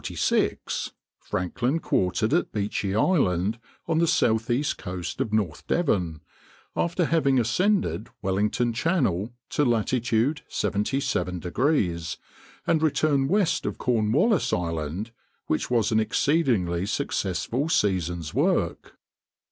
] In 1845 46 Franklin quartered at Beechey Island, on the southeast coast of North Devon, after having ascended Wellington Channel to latitude 77°, and returned west of Cornwallis Island, which was an exceedingly successful season's work.